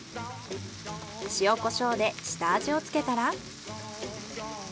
塩コショウで下味をつけたら。